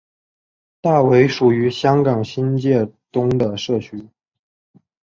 大围属于香港新界东的社区。